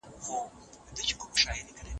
په دې مرحله کي د بشر ذهن فعال وي.